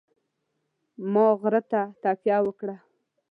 ما غره ته تکیه وکړه.